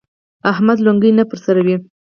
احمد لونګۍ نه پر سروي.